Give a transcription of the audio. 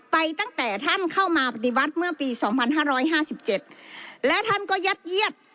ไปตั้งแต่ท่านเข้ามาปฏิบัติเมื่อปีสองพันห้าร้อยห้าสิบเจ็ดและท่านก็ยัดเยียด